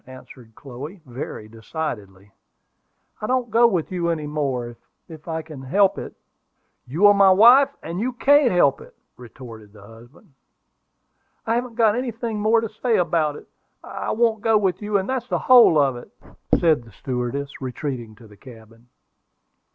answered Chloe, very decidedly. "I don't go with you any more, if I can help it." "You are my wife, and you can't help it," retorted the husband. "I haven't got anything more to say about it. I won't go with you; and that's the whole of it," said the stewardess, retreating to the cabin.